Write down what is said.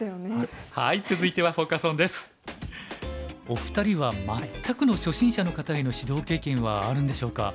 お二人は全くの初心者の方への指導経験はあるんでしょうか？